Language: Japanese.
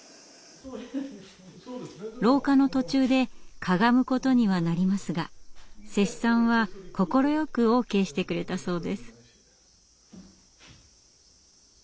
廊下の途中でかがむことにはなりますが施主さんは快くＯＫしてくれたそうです。